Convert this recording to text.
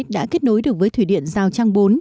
đã kết nối được với thủy điện giao trang bốn